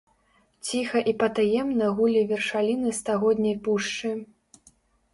Ціха і патаемна гулі вершаліны стагодняй пушчы.